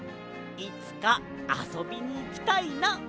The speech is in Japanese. いつかあそびにいきたいな！」